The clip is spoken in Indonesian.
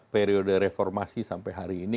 periode reformasi sampai hari ini